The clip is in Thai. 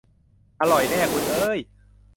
"อร่อยแน่ คุณเอ๊ย !"